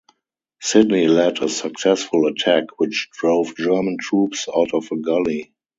Sidney led a successful attack which drove German troops out of a gully.